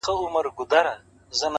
علم د انسان د ذهن ځواک دی!